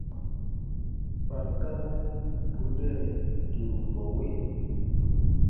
Kpa gabu bù nɛɛ dũrubɔwe.